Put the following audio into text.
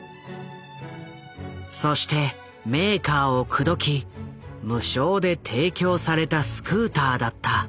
そしてメーカーを口説き無償で提供されたスクーターだった。